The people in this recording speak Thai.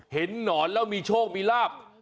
หนอนแล้วมีโชคมีลาบ